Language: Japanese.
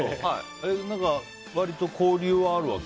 何か、割と交流はあるわけ？